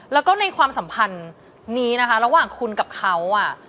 แล้วก็ในความสัมพันธ์นี้นะคะระหว่างคุณกับเขาอ่ะ